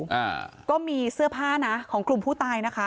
อ่าก็มีเสื้อผ้านะของกลุ่มผู้ตายนะคะ